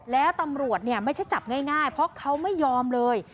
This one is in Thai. แล้วตำรวจไม่ใช่จับง่ายเพราะเขาไม่ยอมเลย